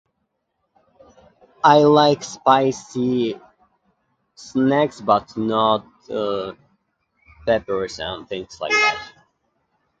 I like spicy snacks, but not, uh, peppers and things like that.